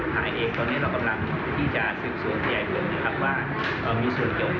ตรงนั้นแล้วก็เขาสร้างตัวอย่างนี้